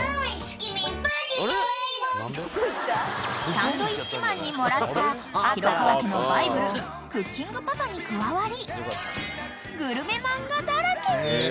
［サンドウィッチマンにもらった廣川家のバイブル『クッキングパパ』に加わり］